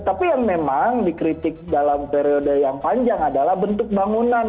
tapi yang memang dikritik dalam periode yang panjang adalah bentuk bangunan